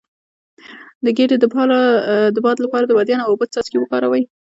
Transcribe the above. د ګیډې د باد لپاره د بادیان او اوبو څاڅکي وکاروئ